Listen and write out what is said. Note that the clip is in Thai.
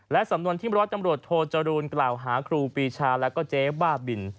และสำนวนที่บรวจตำรวจโทรจรูลเกล่าหาครูปีชาและเจ๊บ้าบิล